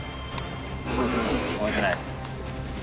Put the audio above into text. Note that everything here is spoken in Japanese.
覚えてない。